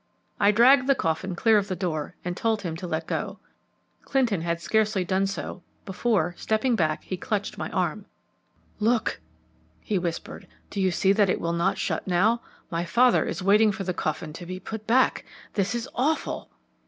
I dragged the coffin clear of the door and told him to let go. Clinton had scarcely done so before, stepping back, he clutched my arm. "Look," he whispered; "do you see that it will not shut now? My father is waiting for the coffin to be put back. This is awful!"